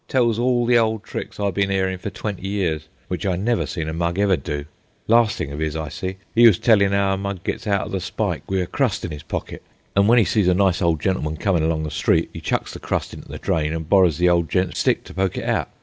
Tells all the ole tricks I've bin 'earin' for twenty years an' w'ich I never seen a mug ever do. Las' thing of 'is I see, 'e was tellin' 'ow a mug gets out o' the spike, wi' a crust in 'is pockit. An' w'en 'e sees a nice ole gentleman comin' along the street 'e chucks the crust into the drain, an' borrows the old gent's stick to poke it out.